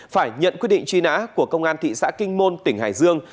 phải nhận quyết định truy nã của công an thị xã kinh môn tỉnh hải dương